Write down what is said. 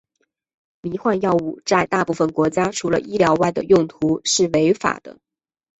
迷幻药物在大部分国家除了医疗外的用途是违法的。